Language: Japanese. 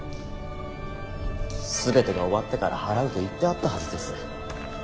全てが終わってから払うと言ってあったはずです。